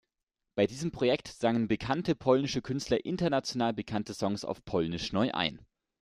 Bei diesem Projekt sangen bekannte polnische Künstler international bekannte Songs auf polnisch neu ein.